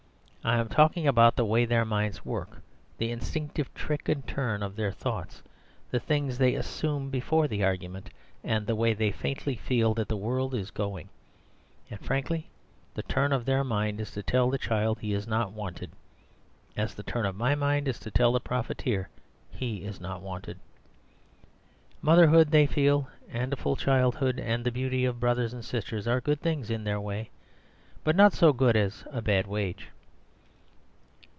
I am talking about the way their minds work, the instinctive trick and turn of their thoughts, the things they assume before argument, and the way they faintly feel that the world is going. And, frankly, the turn of their mind is to tell the child he is not wanted, as the turn of my mind is to tell the profiteer he is not wanted. Motherhood, they feel, and a full childhood, and the beauty of brothers and sisters, are good things in their way, but not so good as a bad wage.